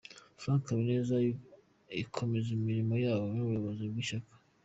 Frank Habineza ikomeza imirimo yabo y’ubuyobozi bw’ishyaka.